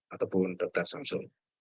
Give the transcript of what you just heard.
ataupun dr samsul